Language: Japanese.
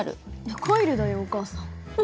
コイルだよお母さん。